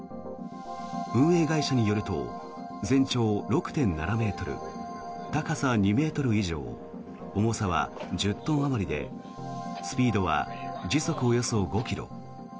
運営会社によると全長６．７ｍ高さ２ｍ以上重さは１０トンあまりでスピードは時速およそ５ｋｍ。